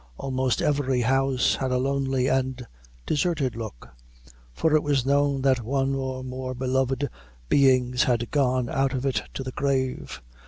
Almost every house had a lonely and deserted look; for it was known that one or more beloved beings had gone out of it to the grave.